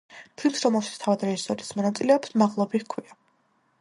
ფილმს, რომელშიც თავად რეჟისორიც მონაწილეობს, „მაღლობი“ ჰქვია.